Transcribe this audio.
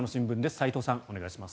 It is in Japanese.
斎藤さん、お願いします。